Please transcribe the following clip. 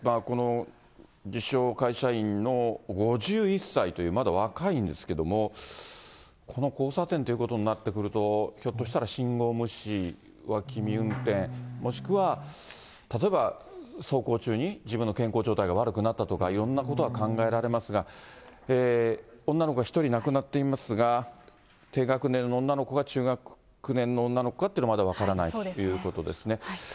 この自称会社員の５１歳という、まだ若いんですけど、この交差点ということになってくると、ひょっとしたら信号無視、脇見運転、もしくは例えば走行中に自分の健康状態が悪くなったとか、いろんなことが考えられますが、女の子が１人亡くなっていますが、低学年の女の子か中学年の女の子かっていうのはまだ分からないですね。